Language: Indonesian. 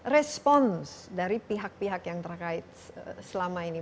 respons dari pihak pihak yang terkait selama ini